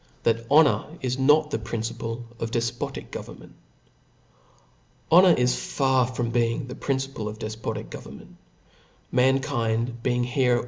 ^hat honor is not the Principle of dejfoiic Government • 111 O Kf O R is far from being the principle of Book ^•* defpotic government: manlcind being here chap.